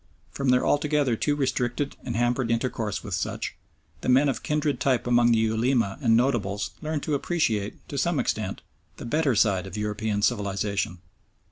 From their altogether too restricted and hampered intercourse with such, the men of kindred type among the Ulema and notables learned to appreciate, to some extent, the better side of European civilisation.